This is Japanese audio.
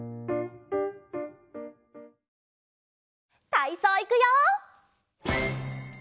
たいそういくよ！